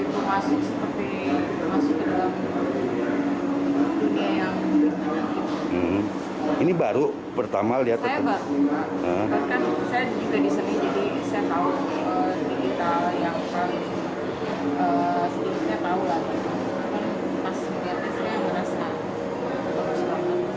bahkan saya juga di seni jadi saya tahu digital yang paling sedikitnya tahu lah